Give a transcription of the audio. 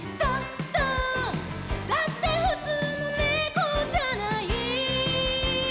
「だってふつうのねこじゃない」